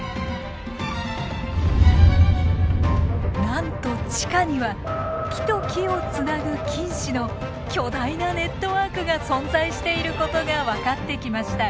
なんと地下には木と木をつなぐ菌糸の巨大なネットワークが存在していることが分かってきました。